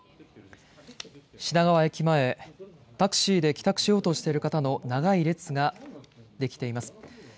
品川駅前タクシーで帰宅しようとしている方の長い列ができています。